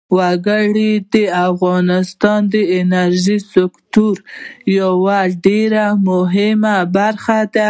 وګړي د افغانستان د انرژۍ سکتور یوه ډېره مهمه برخه ده.